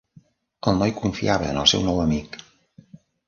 El noi confiava en el seu nou amic.